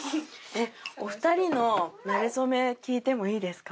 お二人のなれそめ聞いてもいいですか？